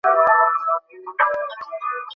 আমাকে ভোলাবি কী দিয়ে?